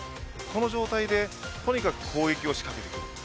この状態でとにかく攻撃を仕掛けてきます。